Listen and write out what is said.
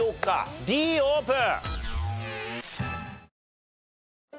Ｄオープン！